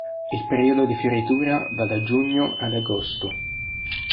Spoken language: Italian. Il periodo di fioritura va da giugno ad agosto.